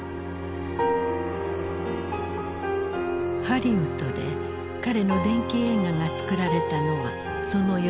ハリウッドで彼の伝記映画が作られたのはその４年後。